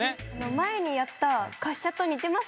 前にやった滑車と似てますね。